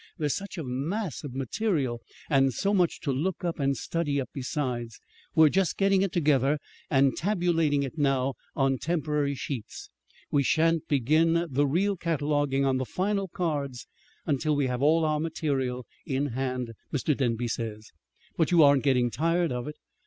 There is such a mass of material, and so much to look up and study up besides. We're just getting it together and tabulating it now on temporary sheets. We shan't begin the real cataloguing on the final cards until we have all our material in hand, Mr. Denby says." "But you aren't getting tired of it?"